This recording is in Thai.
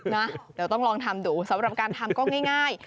นะเดี๋ยวต้องลองทำดูสำหรับการทำก็ง่าย